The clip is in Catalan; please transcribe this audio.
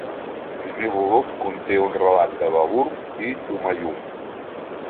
El primer volum conté un relat de Babur i Humayun.